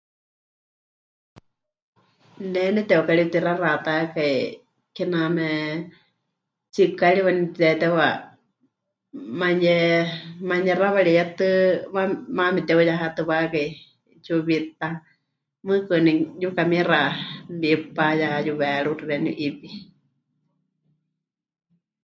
Ne neteukari pɨtixaxatákai kename tsikari waníu mɨtitetewa manuye... manuyexawariyatɨ ma... maana meteuyehatɨwakai 'etsiwa wita, mɨɨkɨ waníu yukamixa mɨwipa ya yuweeruxi xeeníu 'iwi.